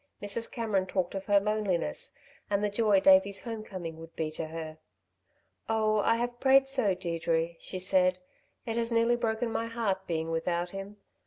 Mrs. Cameron talked of her loneliness and the joy Davey's home coming would be to her. "Oh, I have prayed so, Deirdre," she said, "It has nearly broken my heart being without him ...